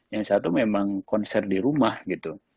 yang satu memang konser di rumah gitu